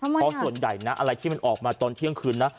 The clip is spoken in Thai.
เพราะส่วนใหญ่อะไรที่มันออกมาประมาณตอนเทียงคืน